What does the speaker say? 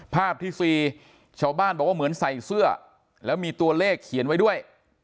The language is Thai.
ภาพที่๔ชาวบ้านบอกว่าเหมือนใส่เสื้อแล้วมีตัวเลขเขียนไว้ด้วย